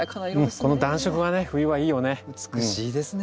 この暖色がね冬はいいよね。